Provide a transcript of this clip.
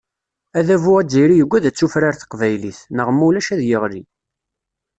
Adabu azzayri yugad ad tufrar teqbaylit, neɣ ma ulac ad yeɣli.